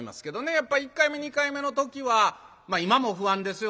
やっぱ１回目２回目の時はまあ今も不安ですよ